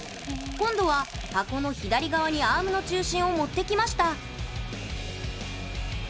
今度は箱の左側にアームの中心を持ってきました。